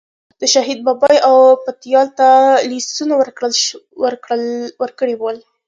د شهید بابی او پتیال ته لیستونه ورکړي ول.